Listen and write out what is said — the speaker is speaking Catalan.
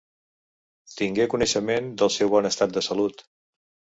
Tingué coneixement del seu bon estat de salut.